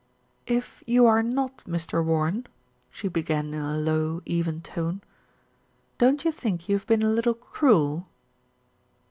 "If you are not Mr. Warren," she began in a low, even tone, "don't you think you have been a little cruel?"